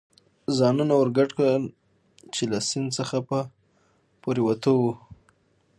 ځانونه ور ګډ کړل، چې له سیند څخه په پورېوتو و.